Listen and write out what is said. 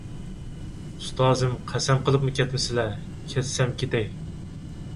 ئۇستازىم، قەسەم قىلىپمۇ كەتمىسىلە، كەتسەم كېتەي.